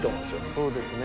そうですね。